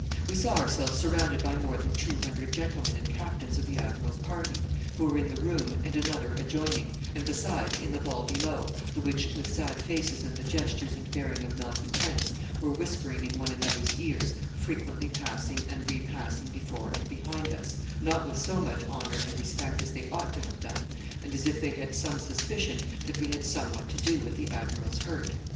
We saw ourselves surrounded by more than two hundred gentlemen and captains of the admiral's party, who were in the room and another adjoining, and, besides, in a ball below, the which, with sad faces and the gestures and bearing of malcontents, were whispering in one another's ears, frequently passing and repasssing before and behind us, not with so much honor and respect as they ought to have done, and as if they had some suspicion that we had somewhat to do with the admiral's hurt.